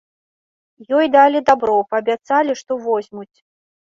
Ёй далі дабро, паабяцалі, што возьмуць.